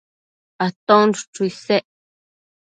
Aton chuchu isec